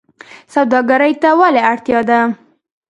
سوداګرۍ ته ولې اړتیا ده؟